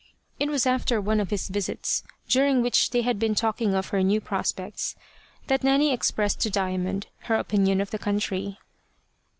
It was after one of his visits, during which they had been talking of her new prospects, that Nanny expressed to Diamond her opinion of the country.